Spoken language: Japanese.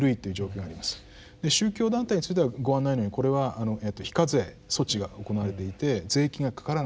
宗教団体についてはご案内のようにこれは非課税措置が行われていて税金がかからない。